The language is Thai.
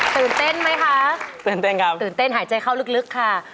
ตื่นเต้นไหมคะตื่นเต้นครับตื่นเต้นหายใจเข้าลึกค่ะ